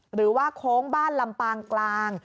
หรือว่าโค้งบ้านลำปางกลาง